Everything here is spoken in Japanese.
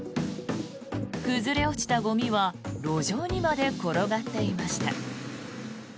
崩れ落ちたゴミは路上にまで転がっていました。